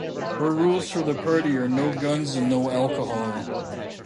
Her rules for the party are no guns and no alcohol.